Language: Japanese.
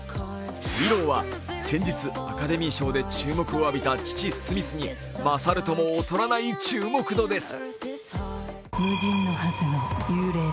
ウィローは先日アカデミー賞で注目を浴びた父・スミスに勝るとも劣らない注目度です。